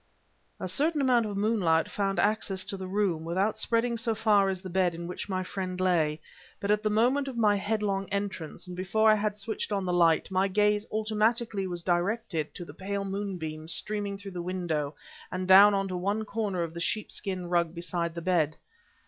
A certain amount of moonlight found access to the room, without spreading so far as the bed in which my friend lay. But at the moment of my headlong entrance, and before I had switched on the light, my gaze automatically was directed to the pale moonbeam streaming through the window and down on to one corner of the sheep skin rug beside the bed.